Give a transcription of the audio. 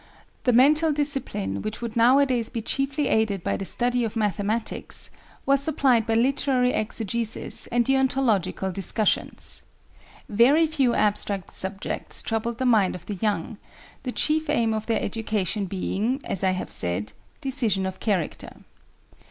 The mental discipline which would now a days be chiefly aided by the study of mathematics, was supplied by literary exegesis and deontological discussions. Very few abstract subjects troubled the mind of the young, the chief aim of their education being, as I have said, decision of character.